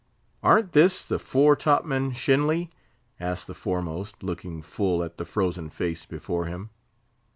"Ar'n't this the fore top man, Shenly?" asked the foremost, looking full at the frozen face before him.